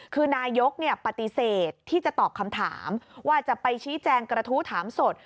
คือนายกปฏิเสธที่จะตอบคำถามว่าจะไปชี้แจงกระทู้ถามสด